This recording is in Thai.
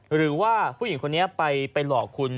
หรือว่าผู้หญิงคนนี้ไปหลอกคุณ